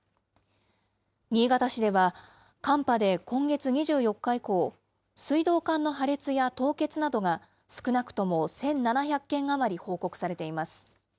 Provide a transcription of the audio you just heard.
新潟市では、寒波で今月２４日以降、水道管の破裂や凍結などが、少なくとも１７００件余り報告されています。